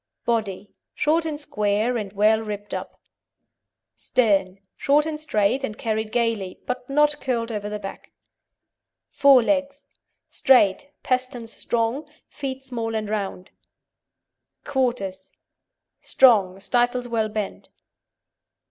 BODY Short and square, and well ribbed up. STERN Short and straight, and carried gaily, but not curled over the back. FORE LEGS Straight, pasterns strong, feet small and round. QUARTERS Strong; stifles well bent.